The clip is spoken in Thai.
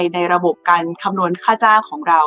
ในระบบการคำนวณค่าจ้างของเรา